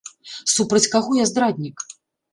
Супраць каго я здраднік?!